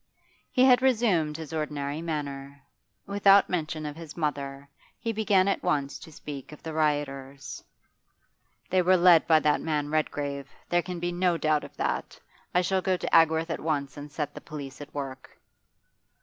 He had resumed his ordinary manner. Without mention of his mother, he began at once to speak of the rioters. 'They were led by that man Redgrave; there can be no doubt of that. I shall go to Agworth at once and set the police at work.